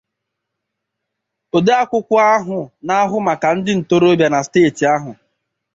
odeakwụkwọ ọkpụtọrọkpụ ụlọọrụ ahụ na-ahụ maka ndị ntorobịa na steeti ahụ